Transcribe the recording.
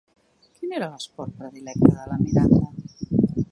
Quin era l'esport predilecte de la Miranda?